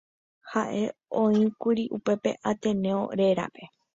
Ha'e oĩkuri upépe Ateneo rérape